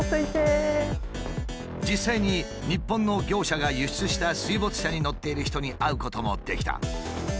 実際に日本の業者が輸出した水没車に乗っている人に会うこともできた。